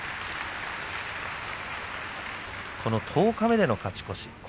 十日目での勝ち越し。